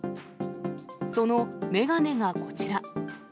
その眼鏡がこちら。